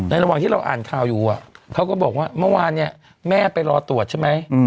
ระหว่างที่เราอ่านข่าวอยู่เขาก็บอกว่าเมื่อวานเนี่ยแม่ไปรอตรวจใช่ไหม